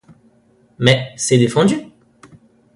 Mais c’est défendu.